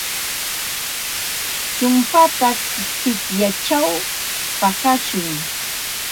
Chumpata sikyachaw paqashun.